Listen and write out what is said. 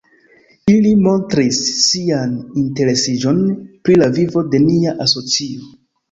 Ili montris sian interesiĝon pri la vivo de nia asocio.